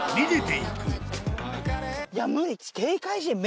いや無理。